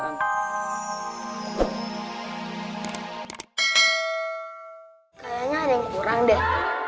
kayaknya ada yang kurang deh